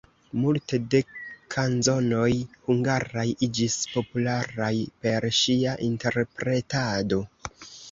Multe de kanzonoj hungaraj iĝis popularaj per ŝia interpretado.